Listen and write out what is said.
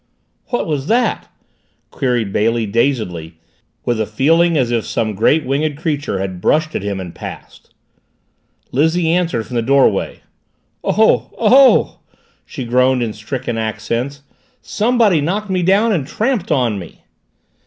"What was that?" queried Bailey dazedly, with a feeling as if some great winged creature had brushed at him and passed. Lizzie answered from the doorway. "Oh, oh!" she groaned in stricken accents. "Somebody knocked me down and tramped on me!"